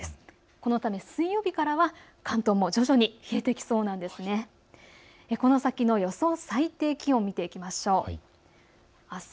このため水曜日からは関東も徐々に冷えてきそうです。